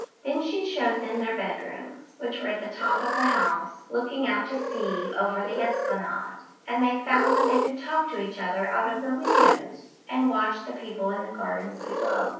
Then she showed them their bedrooms, which were at the top of the house, looking out to sea over the esplanade; and they found that they could talk to each other out of the windows and watch the people in the gardens below.